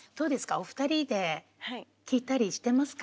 お二人で聴いたりしてますか？